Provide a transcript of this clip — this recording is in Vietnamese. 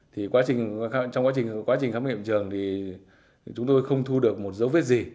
trong quá trình khám nghiệm trường chúng tôi không thu được một dấu vết gì